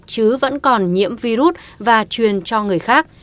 chứ vẫn còn nhiễm virus và truyền cho người khác